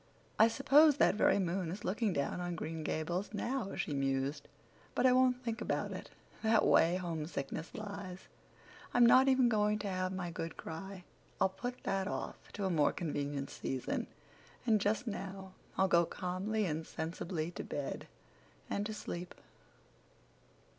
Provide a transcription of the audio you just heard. "I suppose that very moon is looking down on Green Gables now," she mused. "But I won't think about it—that way homesickness lies. I'm not even going to have my good cry. I'll put that off to a more convenient season, and just now I'll go calmly and sensibly to bed and to sleep."